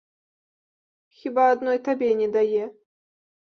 Хіба адной табе не дае.